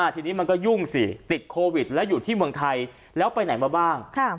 ทีนี้มันก็ยุ่งสิติดโควิดแล้วอยู่ที่เมืองไทยแล้วไปไหนมาบ้าง